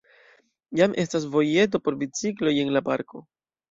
Jam estas vojeto por bicikloj en la parko.